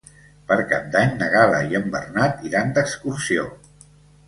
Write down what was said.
Per Cap d'Any na Gal·la i en Bernat iran d'excursió.